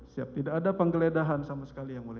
siap tidak ada penggeledahan sama sekali yang mulia